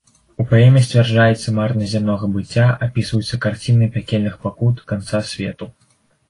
У паэме сцвярджаецца марнасць зямнога быцця, апісваюцца карціны пякельных пакут, канца свету.